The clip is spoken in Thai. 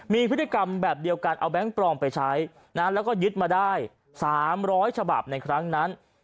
มีพฤติกรรมแบบเดียวกันเอาแก๊งปลอมไปใช้นะแล้วก็ยึดมาได้๓๐๐ฉบับในครั้งนั้น